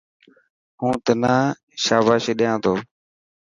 هون تنا شاباشي ڏيا تو.